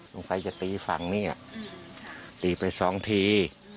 สงสัยจะตีฝั่งนี่ตีไปสองที